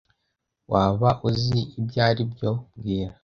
Waba uzi ibyo aribyo mbwira